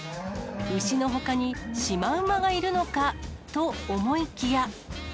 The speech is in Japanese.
牛のほかに、シマウマがいるのかと思いきや。